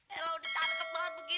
ella udah canget banget begini